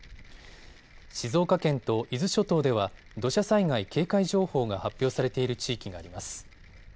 静岡県と伊豆諸島では土砂災害警戒情報が発表されている地域があります。